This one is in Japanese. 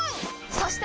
そして！